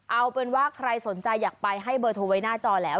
เอาเป็นว่าใครสนใจอยากไปให้เบอร์โทรไว้หน้าจอแล้ว